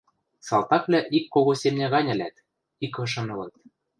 Салтаквлӓ ик кого семня гань ӹлӓт, икышын ылыт.